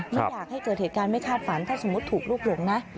ไม่อยากให้เกิดเหตุการณ์ไม่คาดฝันถ้าสมมุติถูกลูกหลงนะ